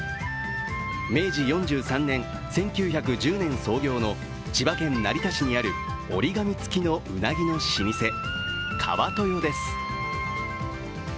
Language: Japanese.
明治４３年、１９１０年創業の千葉県成田市にある折り紙付きのうなぎの老舗、川豊です。